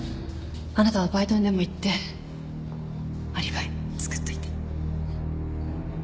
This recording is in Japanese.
あなたはバイトにでも行ってアリバイ作っといて。